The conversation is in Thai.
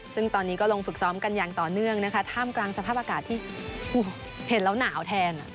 ซึ่งตอนนี้ก็ลงฝึกซ้อมกันอย่างต่อเนื่องนะคะท่ามกลางสภาพอากาศที่เห็นแล้วหนาวแทน